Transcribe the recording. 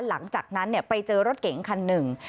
หลังจากนั้นไปเจอรถเก๋งคันหนึ่ง